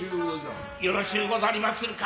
よろしゅうござりまするか。